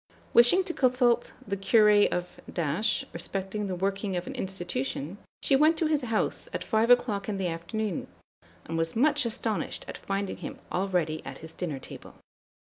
Wishing to consult the Curé of respecting the working of an institution, she went to his house at five o'clock in the afternoon, and was much astonished at finding him already at his dinner table.